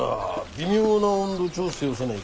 微妙な温度調整をせないかんのじゃ。